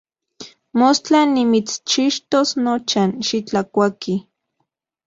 Mostla nimitschixtos nocha, xitlakuaki.